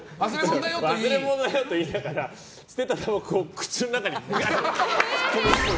忘れ物だよと言いながら捨てたたばこを口の中にガッと突っ込むっぽい。